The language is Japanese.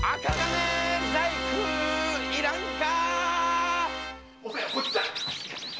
銅細工いらんか！